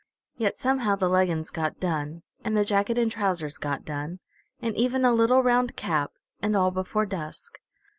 Yet somehow the leggins got done, and the jacket and trousers got done, and even a little round cap, and all before dusk.